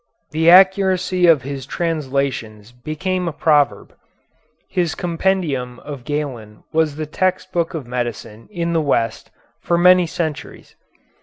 The accuracy of his translations became a proverb. His compendium of Galen was the text book of medicine in the West for many centuries.